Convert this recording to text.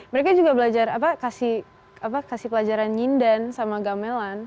mereka juga belajar kasih pelajaran nyindan sama gamelan